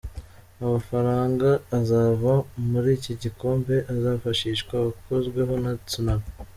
Amafaranga azava muri iki gikombe azafashishwa abakozweho na Tsunami.